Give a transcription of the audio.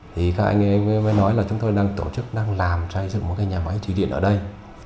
thì các anh em mới nói là chúng tôi đang tổ chức đang làm xây dựng một cái nhà máy thủy điện ở đây